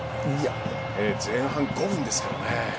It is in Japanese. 前半５分ですからね。